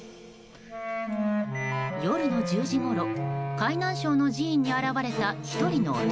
夜の１０時ごろ海南省の寺院に現れた１人の男。